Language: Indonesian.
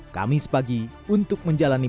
kamis pagi untuk menjalani